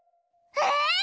えっ！